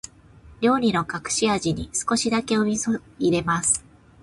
料理の隠し味に、少しだけお味噌を入れます。